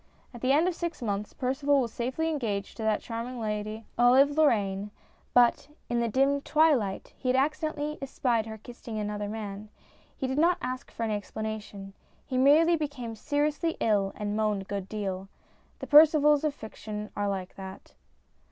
At the end of six months Percival was safely engaged to that charming lady, Olive Lorraine ; but "in the dim twilight" he had accidentally espied her kissing another man. He did not ask for any explanation. He merely became seriously ill and moaned a good deal. The Percivals of fiction are like that.